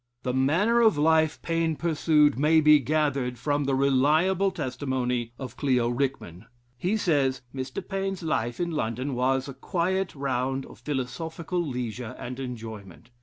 The manner of life Paine pursued may be gathered from the reliable testimony of Clio Rickman. He says, "Mr. Paine's life in London was a quiet round of philosophical leisure and enjoyment.